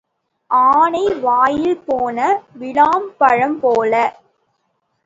ஆனை வாயில் போன விளாம் பழம் போல.